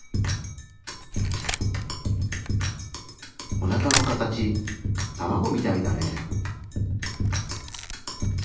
おなかの形卵みたいだね。